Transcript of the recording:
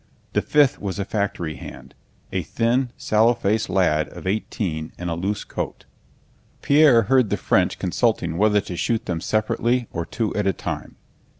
The fifth was a factory hand, a thin, sallow faced lad of eighteen in a loose coat. Pierre heard the French consulting whether to shoot them separately or two at a time.